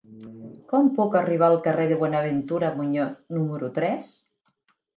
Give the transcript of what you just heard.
Com puc arribar al carrer de Buenaventura Muñoz número tres?